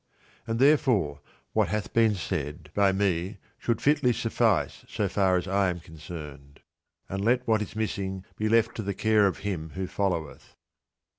And therefore what hath been said by me should fitly suffice so far as I am concerned; and let what is missing be left to the care of him who followeth.